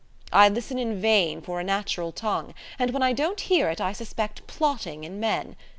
I listen in vain for a natural tongue; and when I don't hear it, I suspect plotting in men.